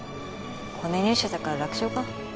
コネ入社だから楽勝か。